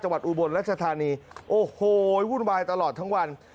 อุบลรัชธานีโอ้โหวุ่นวายตลอดทั้งวัน